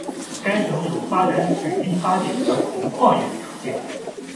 该省有发展水力发电和铜矿业的条件。